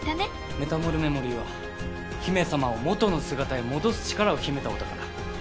メタモルメモリーは姫様を元の姿に戻す力を秘めたお宝。